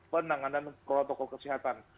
penanganan protokol kesehatan